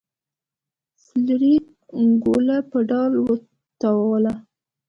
فلیریک ګوله په ډال وتاوله.